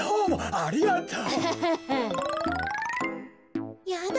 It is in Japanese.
ありがとう。